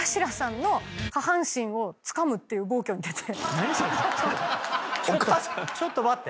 何それ⁉ちょっと待って。